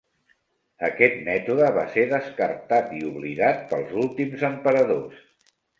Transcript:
Aquest mètode va ser descartat i oblidat pels últims emperadors.